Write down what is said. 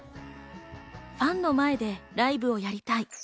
ファンの前でライブをやりたい。